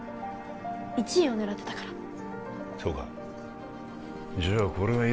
１位を狙ってたから